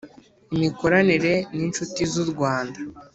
Imikoranire n inshuti z u rwanda